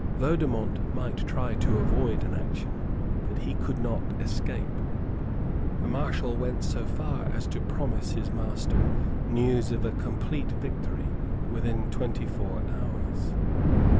Vaudemont might try to avoid an action; but he could not escape. The Marshal went so far as to promise his master news of a complete victory within twenty four hours.